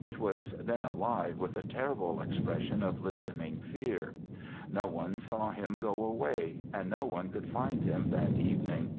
It was then alive with a terrible expression of listening fear. No one saw him go away: and no one could find him that evening.